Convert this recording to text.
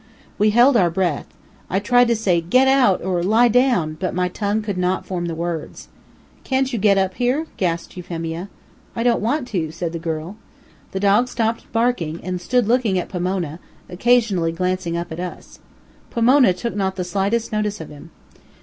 We held our breath. I tried to say "get out!" or "lie down!" but my tongue could not form the words. "Can't you get up here?" gasped Euphemia. "I don't want to," said the girl. The dog now stopped barking, and stood looking at Pomona, occasionally glancing up at us. Pomona took not the slightest notice of him.